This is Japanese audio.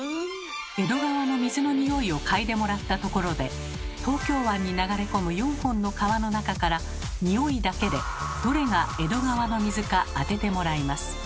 江戸川の水のニオイを嗅いでもらったところで東京湾に流れ込む４本の川の中からニオイだけでどれが江戸川の水か当ててもらいます。